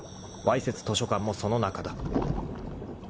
わいせつ図書館もその中だ］